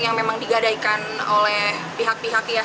yang memang digadaikan oleh pihak pihak ya